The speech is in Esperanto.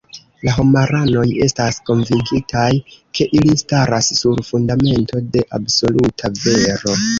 La homaranoj estas konvinkitaj, ke ili staras sur fundamento de absoluta vero.